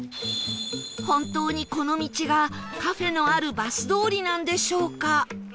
本当にこの道がカフェのあるバス通りなんでしょうか？